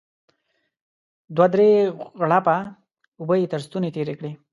دوه درې غوړپه اوبه يې تر ستوني تېرې کړې.